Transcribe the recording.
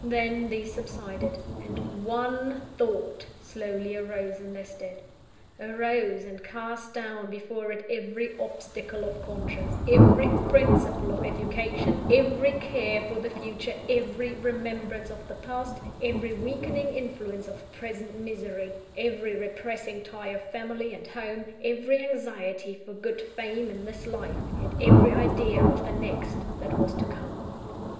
Then, these subsided; and ONE THOUGHT slowly arose in their stead arose, and cast down before it every obstacle of conscience, every principle of education, every care for the future, every remembrance of the past, every weakening influence of present misery, every repressing tie of family and home, every anxiety for good fame in this life, and every idea of the next that was to come.